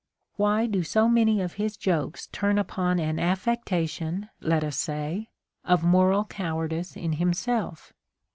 Why do so many of his jokes turn upon an affectation, let us say, of moral cowardice in himself?